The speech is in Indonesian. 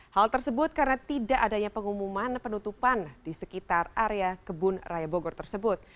hal tersebut karena tidak adanya pengumuman penutupan di sekitar area kebun raya bogor tersebut